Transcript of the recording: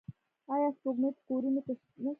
آیا سپوږمکۍ په کورونو کې نشته؟